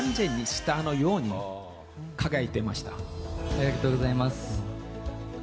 ありがとうございます。